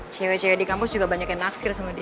cewek cewek di kampus juga banyak yang nafsir sama dia